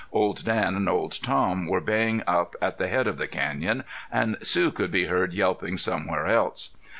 Old Dan and old Tom were baying up at the head of the canyon, and Sue could be heard yelping somewhere else.